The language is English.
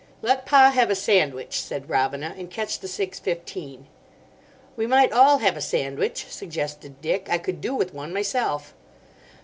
"Let Pa have a sandwich," said Robina, "and catch the six fifteen." "We might all have a sandwich," suggested Dick; "I could do with one myself."